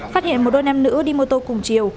phát hiện một đôi nam nữ đi mô tô cùng chiều